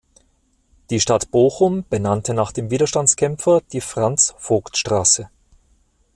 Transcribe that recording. Die Stadt Bochum benannte nach dem Widerstandskämpfer die Franz-Vogt-Straße.